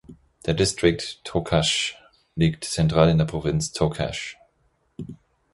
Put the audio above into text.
Der Distrikt Tocache liegt zentral in der Provinz Tocache.